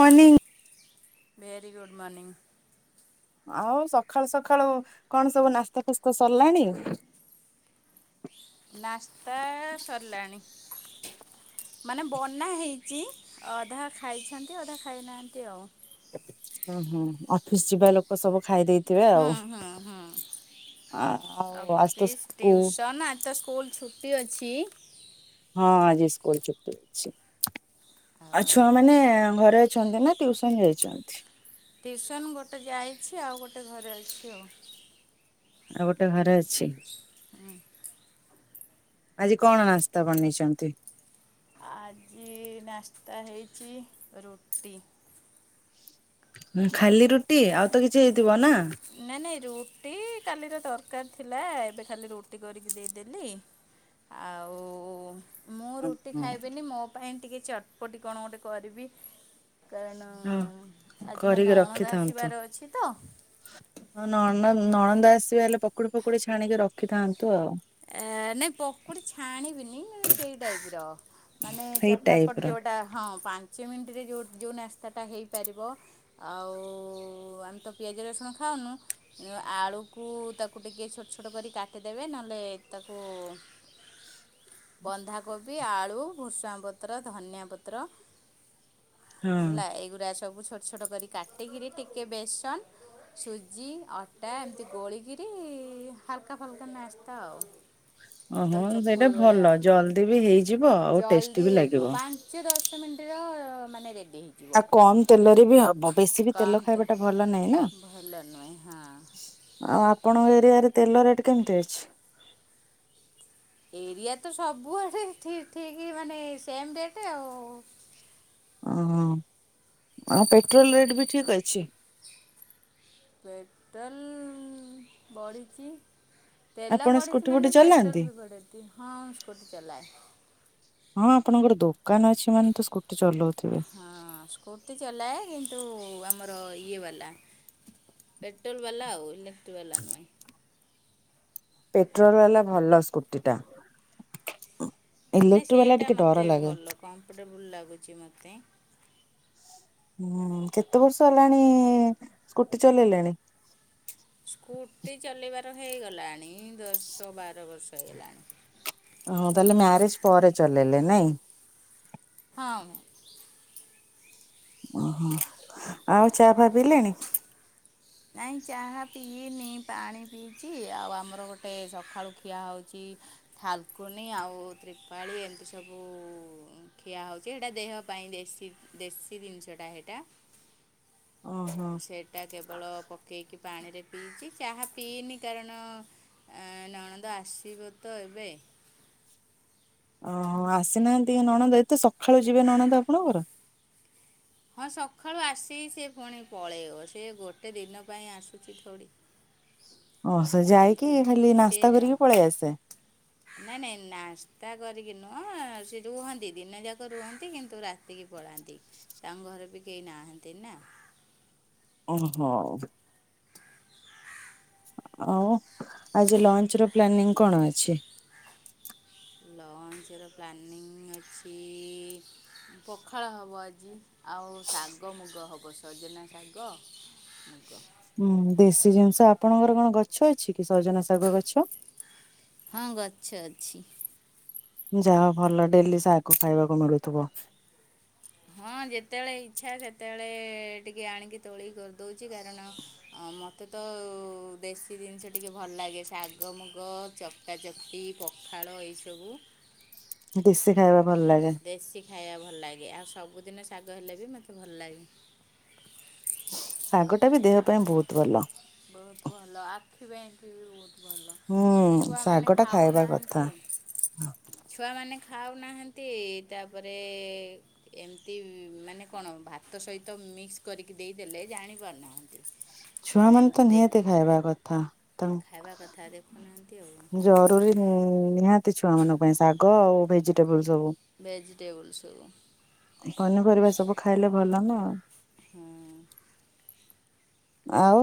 ମନିଂ। Very good morning. ଆଉ ସକାଳୁ ସକାଳୁ କଣ ସବୁ ନାସ୍ତା ଫାସ୍ତା ସରିଲାଣି? ନାସ୍ତା ସରିଲାଣି। ମାନେ ବନା ହେଇଛି ଅଧା ଖାଇଛନ୍ତି ଅଧା ଖାଇନାହାନ୍ତି ଆଉ। ହ ହୁଁ ଅଫିସ ଯିବା ଲୋକ ସବୁ ଖାଇ ଦେଇଥିବେ ହୁଁ ଆଉ। ହୁଁ ହୁଁ ଆ ଆଉ ଆଜି ତ ଅଫିସ୍ ସ୍କୁଲ୍ ଟ୍ୟୁସନ୍ ଆଜି ତ ସ୍କୁଲ ଛୁଟି ଅଛି ହଁ ଆଜି ସ୍କୁଲ ଛୁଟି ଅଛି। ଆଉ ଛୁଆ ମାନେ ଘରେ ଅଛନ୍ତି ନା? ଟ୍ୟୁସନ ଯାଇଛନ୍ତି। ଟିଉସନ୍ ଗୋଟେ ଯାଇଛି ଆଉ ଗୋଟେ ଘରେ ଅଛି ଆଉ। ଆଉ ଗୋଟେ ଘରେ ଅଛି। ହୁଁ। ଆଜି କଣ ନାସ୍ତା ବନେଇଛନ୍ତି? ଆଜି ନାସ୍ତା ହେଇଛି ରୁଟି। ଉଁ ଖାଲି ରୁଟି ଆଉ ତ କିଛି ହେଇଥିବ ନା। ନାଇଁ ନାଇଁ ରୁଟି କାଲିର ତରକାରି ଥିଲା ଏବେ ଖାଲି ରୁଟି କରିକି ଦେଇଦେଲି। ଆଉ ମୁଁ ରୁଟି ଓହୋ ଖାଇବିନି ମୋ ପାଇଁ ଟିକେ ଚଟପଟି କଣ ଗୋଟେ କରିବି। କାରଣ ହଉ ଆଜି ମୋ କରିକି ନଣନ୍ଦ ରଖିଥାନ୍ତୁ। ଆସିବାର ଅଛି ତ ହଁ ନ ନଣନ୍ଦ ଆସିବ ହେଲେ ପକୁଡି ଫକୁଡି ଛାଣିକି ରଖିଥାନ୍ତୁ ଆଉ। ଏ ନାଇଁ ପକୁଡି ଛାଣିବିନି ସେଇ ଟାଇପ ର ମାନେ ସେଇ ଟାଇପ ଚଟାପଟ ର ଯେଉଟା ହଁ ପାଞ୍ଚ ମିନିଟରେ ଯେଉ ଯେଉ ନାସ୍ତାଟା ହେଇପାରିବ ଆଉ ଆମେ ତ ପିଆଜ ରସୁଣ ଖାଉନୁ ଆଳୁକୁ ତାକୁ ଟିକେ ଛୋଟ ଛୋଟ କରି କାଟିଦେବେ ନହେଲେ ତାକୁ ବନ୍ଧାକୋବି ଆଳୁ ଭୃସୁଙ୍ଗା ପତ୍ର ଧନିଆ ପତ୍ର ହଁ। ହେଲା ଏଇଗୁଡା ସବୁ ଛୋଟ ଛୋଟ କରି କାଟିକିରି ଟିକେ ବେସନ ସୁଜି ଆଟା ଏମିତି ଗୋଳିକିରି ହାଲକା ଫାଲକା ନାସ୍ତା ଆଉ। ଓହୋ ତାକୁ ସେଇଟା ଚକୁଳି ଭଳିଆ ଭଲ ଆଉ ଜଲଦି ବି ହେଇଯିବ ଆଉ ଟେଷ୍ଟି ବି ଲାଗିବ। ସିଏ ଦଶ ମିନିଟରେ ମାନେ ରେଡ଼ି ହେ ଆଉ କମ ତେଲରେ ବି ହବ। ବେଶୀ ବି ତେଲ କମ୍ ତ ଖାଇବାଟା ଭଲ ନାହିଁ ନା ଭଲ ନୁହେଁ ହଁ ଆଉ ଆପଣଙ୍କ ଏରିଆ ରେ ତେଲ ରେଟ୍ କେମିତି ଅଛି? ଏରିଆ ତ ସବୁଆଡେ ଠି ଠିକ୍ ମାନେ ସେମ ଡେଟ୍ ଆଉ। ଓ ଆଉ ପେଟ୍ରୋଲ ରେଟ୍ ବି ଠିକ୍ ଅଛି? ପେଟ୍ରୋଲ ବଢ଼ିଚି। ତେଲ ଆପଣ ସ୍କୁଟି ବଢ଼ିଚି ଫୁଟି ମାନେ ପେଟ୍ରୋଲ ଚଲାନ୍ତି? ବି ବଢ଼େଇଚି। ହଁ ସ୍କୁଟି ଚଲାଏ। ହଁ ଆପଣଙ୍କର ଦୋକାନ ଅଛି ମାନେ ତ ସ୍କୁଟି ଚଲଉଥିବେ। ହଁ ସ୍କୁଟି ଚଲାଏ କିନ୍ତୁ ଆମର ଇଏ ବାଲା। ପେଟ୍ରୋଲ ବାଲା ଆଉ ଇଲେକ୍ଟ୍ରିକ ବାଲା ନୁହେଁ। ପେଟ୍ରୋଲ ବାଲା ଭଲ ସ୍କୁଟି ଟା। ନା ଇଲେକ୍ଟ୍ରିକ ବାଲା ସେଇଟା ଟିକେ ମୋତେ ଡର ଲାଗେ। ଭଲ କମ୍ଫର୍ଟେବୁଲ୍ ଲାଗୁଚି ମୋତେ। ହୁଁ କେତେ ବର୍ଷ ହେଲାଣି ସ୍କୁଟି ଚଲେଇଲେଣି? ସ୍କୁଟି ଚଲେ଼ଇବାର ହେଇଗଲାଣି ଦଶ ବାର ବର୍ଷ ହେଇଗଲାଣି। ଓ ହୋ ତାହଲେ ମ୍ୟାରେଜ ପରେ ଚଲେଇଲେ ନାଇଁ। ହଁ। ଓହୋ ଆଉ ଚା ଫା ପିଇଲେଣି? ନାଇଁ ଚାହା ପିଇନି, ପାଣି ପିଇଚି ଆଉ ଆମର ଗୋଟେ ସକାଳୁ ଖିଆ ହଉଚି ଥାଲକୁନି ଆଉ ତ୍ରିପାଳି ଏମିତି ସବୁ ଖିଆ ହଉଚି ସେଇଟା ଦେହ ପାଇଁ ଦେଶୀ ଦେଶୀ ଜିନିଷଟା ସେଇଟା। ଓହୋ। ସେଇଟା କେବଳ ପକେଇକି ପାଣିରେ ପିଇଚି ଚାହା ପିଇନି କାରଣ ଏ ନଣନ୍ଦ ଆସିବ ତ ଏବେ। ଓହ ଆସିନାହାନ୍ତି ନଣନ୍ଦ ଏତେ ସଖାଳୁ ଯିବେ ନଣନ୍ଦ ଆପଣଙ୍କର? ହଁ ସକାଳୁ ଆସିିକି ସେ ପୁଣି ପଳେଇବ। ସିଏ ଗୋଟେ ଦିନ ପାଇଁ ଆସୁଛି ଥୋଡ଼ି। ଓ ସେ ଏମିତି ଯାଇକି ଖାଲି ସେ ନାସ୍ତା କରିକି ପଳେଇ ଆସେ। ନାଇଁ ନାଇଁ ନାସ୍ତା କରିକି ନୁହଁ। ସେ ରୁହନ୍ତି ଦିନ ଯାକ ରୁହନ୍ତି କିନ୍ତୁ ରାତିକି ପଳାନ୍ତି ତାଙ୍କ ଘରେ ବି କେହି ନାହାନ୍ତି ନା। ଓହୋ। ଆଉ ଆଜି ଲଞ୍ଚ ର ପ୍ଲାନିଂ କଣ ଅଛି? ଲଞ୍ଚର ପ୍ଲାନିଂ ଅଛି ପଖାଳ ହବ ଆଜି। ଆଉ ଶାଗ ମୁଗ ହବ। ସଜନା ଶାଗ ମୁଗ। ହୁଁ ଦେଶୀ ଜିନିଷ। ଆପଣଙ୍କର କଣ ଗଛ ଅଛି କି ସଜନା ଶାଗ ଗଛ? ହଁ ଗଛ ଅଛି। ଯାହା ହଉ ଭଲ ଡେଲି ଶାଗ ଖାଇବାକୁ ମିଳୁଥିବ। ହଁ ଯେତେବେଳେ ଇଚ୍ଛା ସେତେବେଳେ ଟିକେ ଆଣିକି ତୋଳିକି କରିଦଉଚି କାରଣ ଅ ମତ ମୋତେ ତ ଦେଶୀ ଜିନିଷ ଟିକେ ଭଲ ଲାଗେ। ଶାଗ ମୁଗ ଚକଟା ଚକଟି ପ ଖାଳ ଏଇସବୁ। ଦେଶୀ ଖାଇବା ଭଲ ଲାଗେ? ଦେଶୀ ଖାଇବା ଭଲ ଲାଗେ ଆଉ ସବୁଦିନ ଶାଗ ହେଲେ ବି ମୋତେ ଭଲ ଲାଗେ। ଶାଗ ଟା ବି ଦେହ ପାଇଁ ବହୁତ ଭଲ। ବହୁତ ଭଲ ଆଖି ପାଇଁ ବି ବହୁତ ତ ଭଲ ହୁଁ ଶାଗ ଛୁଆମାନେ ଟା ଖାଇବା କଥା ଖାଉନାହାନ୍ତି। ଛୁଆମାନେ ଖାଉନାହାନ୍ତି ତାପରେ ଏମିତି ମାନେ କଣ ଭାତ ସହିତ ମିକ୍ସ କରିକି ଦେଇଦେଲେ ଜାଣି ପାରୁନାହାନ୍ତି। ଛୁଆ ମାନେ ତ ନିହାତି ଖାଇବା କଥା। ତାଙ୍କ୍ ଖାଇବା କଥା ତ। ଜରୁରୀ ନିହାତି ଛୁଆମାନଙ୍କ ପାଇଁ ଶାଗ ଆଉ ଭେଜିଟେବଲ ସବୁ। ଭେଜିଟେବଲ ସବୁ। ପନିପରିବା ସବୁ ଖାଇଲେ ଭଲ ନା ଆ। ହଁ। ଆଉ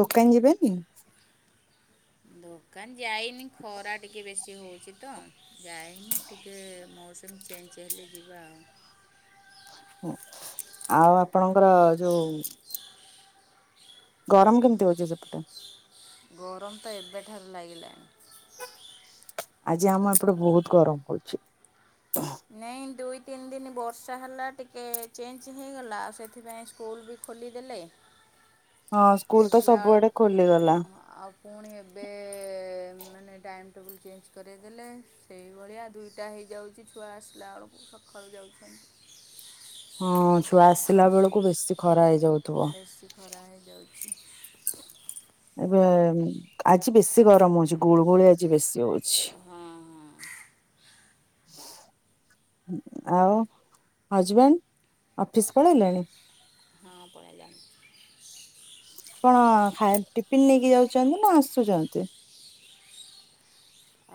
ଦୋକାନ ଯିବେନି? ଦୋକାନ ଯାଇନି ଖରା ଟିକେ ବେଶୀ ହଉଛି ତ ଯାଇନି ଟିକେ ମୌସମ ଚେଞ୍ଜ ହେଲେ ଯିବା ଆଉ। ହୁଁ ଆଉ ଆପଣଙ୍କର ଯୋଉ ଗରମ କେମିତି ହଉଛି ସେପଟେ? ଗରମ ତ ଏବେଠାରୁ ଲାଗିଲାଣି। ଆଜି ଆମର ଏପଟେ ବହୁତ ଗରମ ହଉଛି। ନାଇଁ ଦୁଇ ତିନି ଦିନ ବର୍ଷା ହେଲା ଟିକେ ଚେଞ୍ଜ ହେଇଗଲା ଆଉ ସେଥିପାଇଁ ସ୍କୁଲ ବି ଖୋଲିଦେଲେ ହଁ ସ୍କୁଲ ତ ଦେଖିଲା ସବୁଆଡେ ବେଳକୁ ଖୋଲିଗଲା। ହଁ ଆଉ ପୁଣି ଏବେ ମାନେ ଟାଇମ୍ ଟେବୁଲ୍ ଚେଞ୍ଜ କରେଇଦେଲେ। ସେଇଭଳିଆ ଦୁଇଟା ହେଇଯାଉଛି ଛୁଆ ଆସିଲା ବେଳକୁ ସକାଳୁ ଯାଉଛନ୍ତି। ହଁ ଛୁଆ ଆସିଲା ବେଳକୁ ବେଶୀ ଖରା ହେଇ ବେଶୀ ଖରା ହେଇଯାଉଛି। ଏବେ ଆଜି ବେଶୀ ଗରମ ହଉଛି ଗୁଳୁ ଗୁଳି ଆଜି ବେଶୀ ହଉଛି। ହଁ। ଆଉ ହଜବେଣ୍ଡ ଅଫିସ ପଳେଇଲେଣି? ହଁ ପଳେଇଲେଣି। କଣ ଖାଇ ଟିଫିିନ ନେଇକି ଯାଉଛନ୍ତି ନା ଆସୁଛନ୍ତି?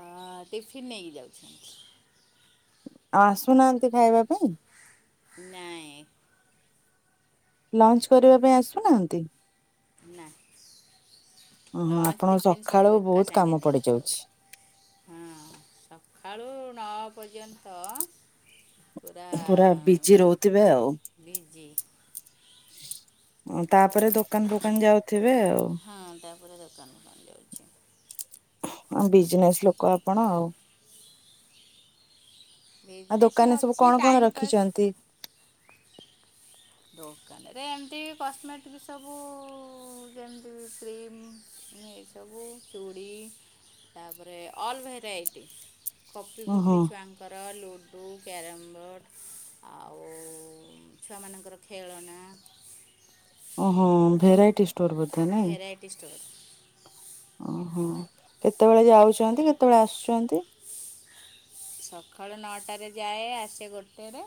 ଅ ଟିଫିନ ନେଇକି ଯାଉଛନ୍ତି। ଆଉ ଆସୁନାହାନ୍ତି ଖାଇବା ପାଇଁ। ନାଁଇ। ଲଞ୍ଚ କରିବା ପାଇଁ ଆସୁନାହାନ୍ତି? ନା। ଓହୋ ଲଞ୍ଚ ଆପଣଙ୍କ ଟିଫିନ୍ ସକାଳୁ ସବୁ ଏକା ବହୁତ ସାଙ୍ଗେ କାମ ନେଇକି ପଡିଯାଉଛି ପଳଉଛି। ହଁ ସକାଳୁ ନଅ ପର୍ଯ୍ୟନ୍ତ ପୁରା ବିଜି ରହୁଥିବେ ଆଉ। ବିଜି ତାପରେ ଦୋକାନ ଫୋକାନ ଯାଉଥିବେ ଆଉ। ହଁ ତାପରେ ଦୋକାନ ଫୋକାନ ଯାଉଛି। ହ ବିଜନେସ୍ ଲୋକ ଆପଣ ଆଉ। ଆଉ ବିଜନେସ୍ ଦୋକାନରେ ସବୁ ଅଛି କଣ କଣ ଟାଇମ୍ ପାସ୍ ରଖିଛନ୍ତି? ଦୋକାନରେ ଏମିତି କସ୍ମେଟିକ୍ ସବୁ ଯେମିତି କ୍ରିମ୍ [unintelligible] ସବୁ ଚୁଡ଼ି ତାପରେ ଅଲ୍ ଭେରାଇଟି କଫି ଓହୋ ଫପି ଛୁଆଙ୍ଗ ଙ୍କର ଲୁଡ଼ୁ କ୍ୟାରମ୍ ବୋର୍ଡ଼ ଆଉ ଛୁଆମାନଙ୍କର ଖେଳନା ଓହୋ ଭେରାଇଟି ଷ୍ଟୋର୍ ବୋ ଭେରାଇଟି ଷ୍ଟୋର୍ ଓହୋ କେତେବେଳେ ଯାଉଛନ୍ତି କେତେବେଳେ ଆସୁଛନ୍ତି। ସକାଳ ନଅଟାରେ ଯାଏ ଆସେ ଗୋଟେରେ।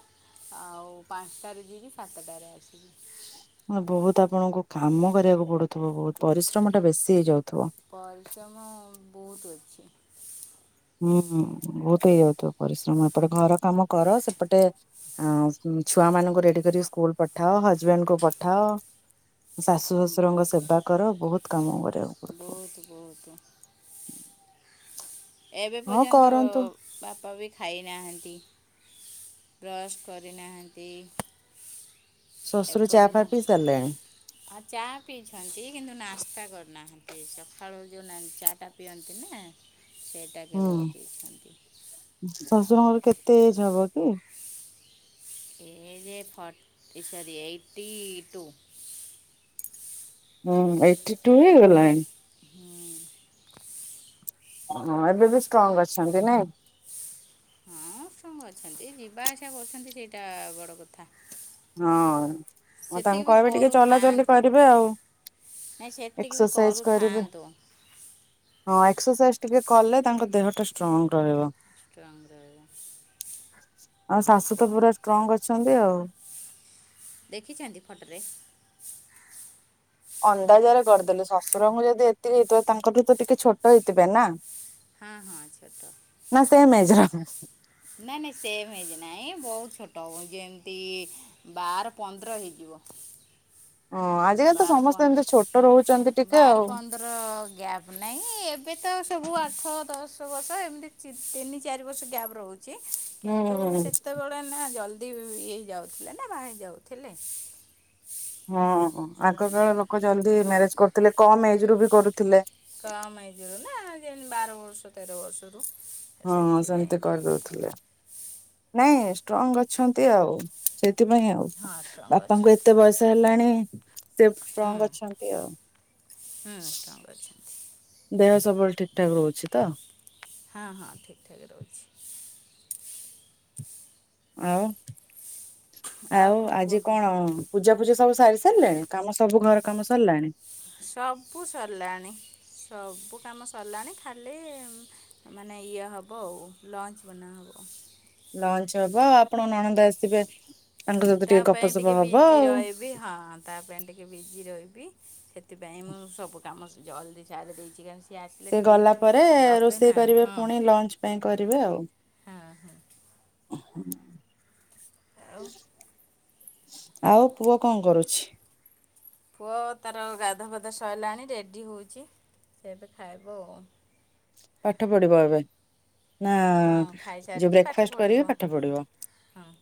ଆଉ ପାଞ୍ଚଟାରେ ଯିବି ସାତଟାରେ ଆସିବି। ବହୁତ ଆପଣଙ୍କୁ କାମ କରିବାକୁ ପଡୁଥିବ ବହୁତ ପରିଶ୍ରମ ଟା ବେଶୀ ହେଇଯାଉଥିବ। ପରିଶ୍ରମ ବହୁତ ଅଛି। ହୁଁ ବହୁତ ହେଇଯାଉଥିବ ପରିଶ୍ରମ ଏପଟେ ଘର କାମ କର ସେପଟେ ଆ ଛୁଆ ମାନଙ୍କୁ ରେଡି କରିକ ସ୍କୁଲ ପଠାଅ ହଜବେଣ୍ଡ କୁ ପଠାଅ। ଶାଶୁ ଶଶୁରଙ୍କ ବହୁତ ସେବା କର ବହୁତ କାମ କରିବାକୁ ପଡୁଥିବ। [unintelligible] ବହୁତ ଏବେ ହଁ ପର୍ଯ୍ୟନ୍ତ କରନ୍ତୁ ବାପା ବି ଖାଇନାହାନ୍ତି। ବ୍ରଶ କରିନାହାନ୍ତି। ଶ୍ୱଶୁର ଚା ଏପଟେ ଫା ମୁଁ ପିଇ ସାରିଲେଣି? ଆଁ ଚା ପିଇଛନ୍ତି କିନ୍ତୁ ନାସ୍ତା କରିନାହାନ୍ତି ସକାଳୁ ଯେଉ ନାଲି ଚା ଟା ପିଅନ୍ତି ନା। ସେଇଟା ହୁଁ କେବଳ ପିଇଛନ୍ତି। ଶ୍ୱଶୁରଙ୍କର କେତେ ଏଜ ହବ କି। Age forty sorry eighty two. ହୁଁ ଏଇଠି ଟୁ ହେଇଗଲାଣି। ହୁଁ। ହଁ ଏବେ ବି ଷ୍ଟ୍ରଙ୍ଗ ଅଛନ୍ତି ନାଇଁ। ହଁ ଷ୍ଟ୍ରଙ୍ଗ ଅଛନ୍ତି ଯିବା ଆସିବା କରୁଛନ୍ତି ସେଇଟା ବଡ଼ କଥା। ହଁ ଆଉ ସେତିକି ତାଙ୍କୁ ବି କହିବେ ଟିକେ ଚଲାଚଲି କରୁଥାଆନ୍ତୁ କରିବେ ଆଉ। ନାଇଁ ସେତିକି ବି ଏକ୍ସରସାଇଜ କରିବେ। କରୁଥାଆନ୍ତୁ। ହଁ ଏକ୍ସରସାଇଜ ଟିକେ କଲେ ତାଙ୍କ ଦେହ ଟା ଷ୍ଟ୍ରଙ୍ଗ ରହିବ। ଷ୍ଟ୍ରଙ୍ଗ ରହିବ। ଆଉ ଶାଶୁ ତ ପୁରା ଷ୍ଟ୍ରଙ୍ଗ ଅଛନ୍ତି ଆଉ। ଦେଖି ଚନ୍ତି ଫଟରେ। ଅନ୍ଦାଜରେ କରିଦେଲେ ଶ୍ୱଶୁରଙ୍କୁ ଯଦି ଏତିକି ହେଇଥିବ ତାଙ୍କଠୁ ତ ଟିକେ ଛୋଟ ହେଇଥିବେ ନା। ହଁ ହଁ ଛୋଟ। ନା ସେମ୍ ଏଜର। ନାଇଁ ନାଇଁ ସେମ ଏଜ୍ ନାଇଁ ବହୁତ ଛୋଟ ଯେମିତି ବାର ପନ୍ଦର ହେଇଯିବ। ହଁ ଆଜିକାଲି ତ ବାର ସମସ୍ତେ ଏମିତି ଛୋଟ ରହୁଛନ୍ତି ଟିକେ ଆଉ। ନ୍ଦର ଗ୍ୟାପ୍ ନାହିଁ ଏବେ ତ ସବୁ ଆଠ ଦଶ ବର୍ଷ ଏମିତି ତିନି ଚାରି ବର୍ଷ ଗ୍ୟାପ୍ ରହୁଛି ହୁଁ କିନ୍ତୁ ସେତେବେଳେ ତ ନା ଜଲ୍ଦି ଇଏ ଯାଉଥିଲେ ନା ବାହା ହେଇ ଯାଉଥିଲେ। ହଁ ଆଗକାାଳ ଲୋକ ଜଲ୍ଦି ମ୍ୟାରେଜ କରୁଥିଲେ କମ୍ ଏଜ ରୁ ବି କରୁଥିଲେ। କମ ଏଜ୍ ରୁ ନା ଯେମତି ବାର ବର୍ଷ ତେର ବର୍ଷରୁ। ହଁ ସେଥିପାଇଁ ସେମିତି କି କରିଦଉଥିଲେ। ନାଇଁ ଷ୍ଟ୍ରଙ୍ଗ ଅଛନ୍ତି ଆଉ ସେଥିପାଇଁ ଆଉ ହଁ ଷ୍ଟ୍ରଙ୍ଗ ବାପାଙ୍କୁ ଅଛନ୍ତି ଏତେ ବୟସ ତ ହେଲାଣି ସେ ହୁଁ ଷ୍ଟ୍ରଙ୍ଗ ଅଛନ୍ତି ଆଉ। ହୁଁ ଷ୍ଟ୍ରଙ୍ଗ ଅଛନ୍ତି। ଦେହ ସବୁବେଳେ ଠିକ ଠାକ ରହୁଛି ତ। ହଁ ହଁ ଠିକ ଠାକ ରହୁଛି। ଆଉ ଆଉ ଆଜି କଣ ପୂଜା ପୂଜି ସବୁ ସାରି ସାରିଲେଣି କାମ ସବୁ ଘର କାମ ସରିଲାଣି। ସବୁ ସରିଲାଣି ସବୁ କାମ ସରିଲାଣି ଖାଲି ମାନେ ଇଏ ହେବ ଆଉ ଲଞ୍ଚ ବନାହେବ। ଲଞ୍ଚ ହବ ଆପଣଙ୍କ ନଣନ୍ଦା ଆସିବେ ତାଙ୍କ ସହିତ ତା ପାଇଁ ଗପସପ ଟିକେ ହବ ବିଜି ଆଉ। ରହିବି ହଁ ତା ପାଇଁ ଟିକେ ଟିକେ ବିଜି ରହିବି ସେଥିପାଇଁ ମୁଁ ସବୁ କାମ ଜଲ୍ଦି ସାରି ଦେଇଛି କାଇଁ ସେ ଗଲା ପରେ ରୋଷେଇ କରିବେ ହଁ ପୁଣି ଲଞ୍ଚ ପାଇଁ କରିବେ ହଁ ହଁ ଆଉ। ଆଉ [inaudible] ଆଉ ପୁଅ କଣ କରୁଛି। ପୁଅ ତାର ଗାଧୁଆ ପଧାଆ ସଇଲାଣି ରେଡ଼ି ହେଉଛି ତ ଏବେ ଖାଇବ ଆଉ। ପାଠ ପଢିବ ଏବେ ନା ହଁ ଯୋଉ ଖାଇସାରିକି ପାଠ ବ୍ରେକ୍ଫାଷ୍ଟ କରିବେ ପଢ଼ିବ ପାଠ ପଢିବ। ହଁ।